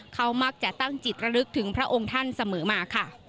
เขามักจะตั้งจิตระลึกถึงพระองค์ท่านเสมอมาค่ะ